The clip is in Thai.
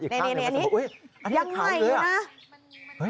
อีกข้างหนึ่งอันนี้ยังไหงอยู่นะ